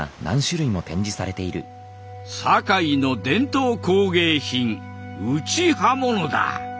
堺の伝統工芸品打刃物だ。